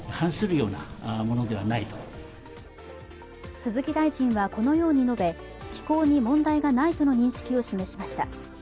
鈴木大臣はこのように述べ、寄稿に問題がないとの認識を示しました。